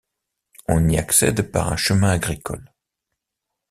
On y accède par une chemin agricole.